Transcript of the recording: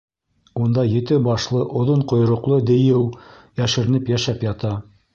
Унда ете башлы, оҙон ҡойроҡло дейеү йәшеренеп йәшәп ята.